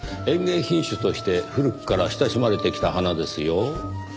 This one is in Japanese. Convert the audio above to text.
園芸品種として古くから親しまれてきた花ですよ。